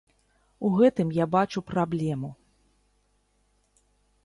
У гэтым я бачу праблему.